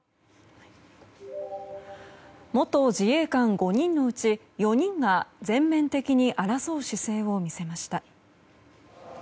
元自衛官５人のうち４人が全面的に争う姿勢を見せました。